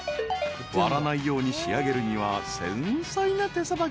［割らないように仕上げるには繊細な手さばきが必要］